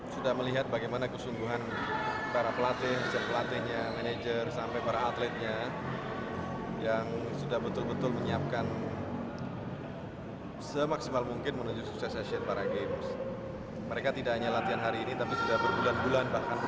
semangat ini harus dijaga optimisme ini harus dijaga dikawal oleh kita semua